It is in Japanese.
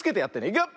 いくよ！